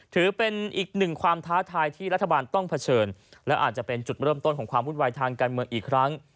ถือเป็นอีกหนึ่งความท้าทายที่รัฐบาลต้องเผชิญและอาจจะเป็นจุดเริ่มต้นของความวุ่นวายทางการเมืองอีกครั้ง